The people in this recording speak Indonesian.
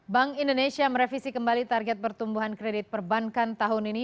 bank indonesia merevisi kembali target pertumbuhan kredit perbankan tahun ini